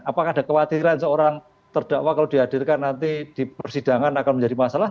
apakah ada kekhawatiran seorang terdakwa kalau dihadirkan nanti di persidangan akan menjadi masalah